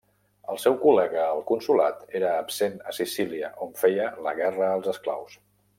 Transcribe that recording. El seu col·lega al consolat era absent a Sicília on feia la guerra als esclaus.